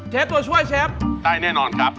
ตัวช่วยเชฟได้แน่นอนครับ